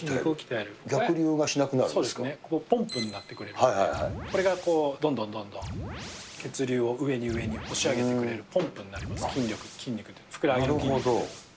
そうですね、ポンプになってくれば、これがどんどんどんどん血流を上に上に押し上げてくれるポンプになります、筋肉と、ふくらはぎの筋肉。